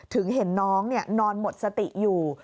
เห็นน้องนอนหมดสติอยู่